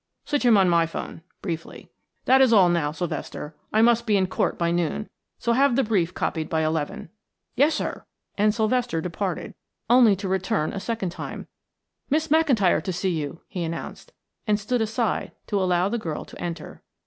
"Switch him on my phone," briefly. "That is all now, Sylvester. I must be in court by noon, so have the brief copied by eleven." "Yes, sir," and Sylvester departed, only to return a second later. "Miss McIntyre to see you," he announced, and stood aside to allow the girl to enter.